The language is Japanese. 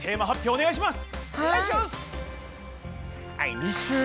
お願いします！